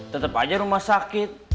tetap aja rumah sakit